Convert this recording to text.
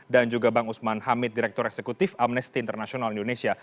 dan juga bang usman hamid direktur eksekutif amnesty international indonesia